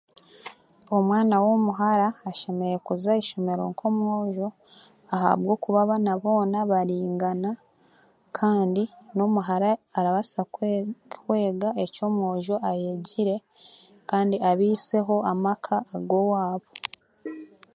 Omwana w'omuhara ashemereire kuza aha ishomero nk'omwojo ahabwokuba abaana boona baringana kandi n'omuhara arabaasa kwega eki omwojo ayegire kandi abaiseho amaka g'owaabo.